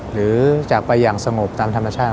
หรือจากไปอย่างสงบตามธรรมชาติ